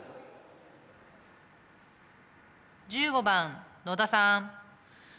１５番野田さん。